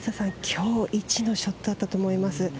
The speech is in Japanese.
今日一のショットだったと思います。